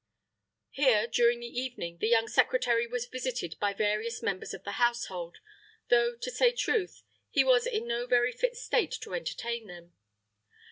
Here, during the evening, the young secretary was visited by various members of the household, though, to say truth, he was in no very fit state to entertain them.